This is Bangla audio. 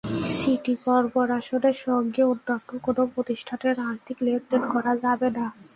সিটি করপোরেশনের সঙ্গে অন্যান্য কোনো প্রতিষ্ঠানের আর্থিক লেনদেন করা যাবে না।